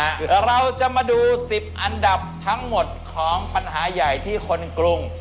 เราจะมาดู๑๐อันดับทั้งหมดของปัญหาใหญ่ที่คนกรุง